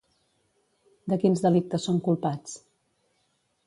De quins delictes són culpats?